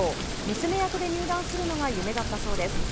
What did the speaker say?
娘役で入団するのが夢だったそうです。